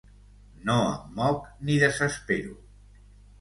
No em moc ni desespero.